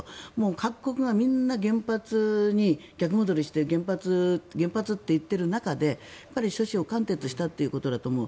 各国がみんな原発に逆戻りして原発って言ってる中で初志貫徹したということだと思う。